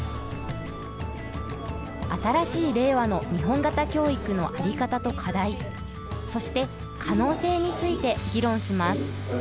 新しい令和の日本型教育の在り方と課題そして可能性について議論します。